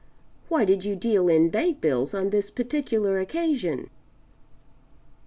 Why did you deal in bank bills on this particular occasion?"